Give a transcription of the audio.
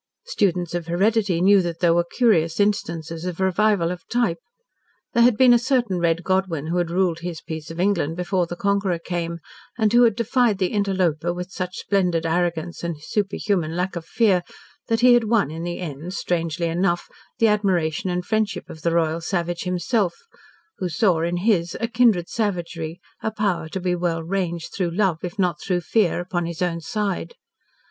Students of heredity knew that there were curious instances of revival of type. There had been a certain Red Godwyn who had ruled his piece of England before the Conqueror came, and who had defied the interloper with such splendid arrogance and superhuman lack of fear that he had won in the end, strangely enough, the admiration and friendship of the royal savage himself, who saw, in his, a kindred savagery, a power to be well ranged, through love, if not through fear, upon his own side.